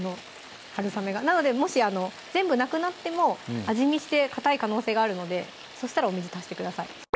はるさめがなのでもし全部なくなっても味見してかたい可能性があるのでそしたらお水足してください